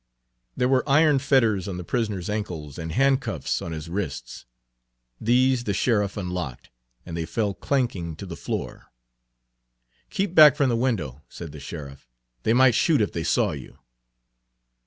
There were iron fetters on the prisoner's ankles, and handcuffs on his wrists. These the sheriff unlocked, and they fell clanking to the floor. "Keep back from the window," said the sheriff. "They might shoot if they saw you."